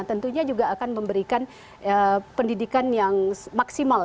tentunya juga akan memberikan pendidikan yang maksimal